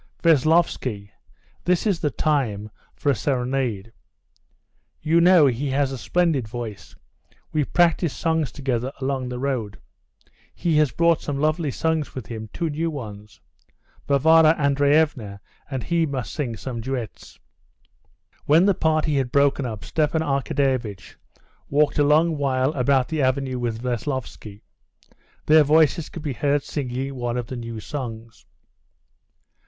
Veslovsky, this is the time for a serenade. You know, he has a splendid voice; we practiced songs together along the road. He has brought some lovely songs with him, two new ones. Varvara Andreevna and he must sing some duets." When the party had broken up, Stepan Arkadyevitch walked a long while about the avenue with Veslovsky; their voices could be heard singing one of the new songs.